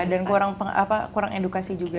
dan kurang edukasi juga